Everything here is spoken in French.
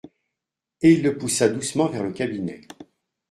Et il le poussa doucement vers le cabinet.